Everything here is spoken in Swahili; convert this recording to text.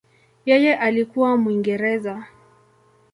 Yeye alikuwa Mwingereza.